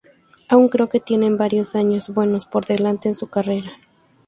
Aún creo que tiene varios años buenos por delante en su carrera".